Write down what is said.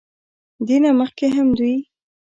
دې نه مخکښې هم دوي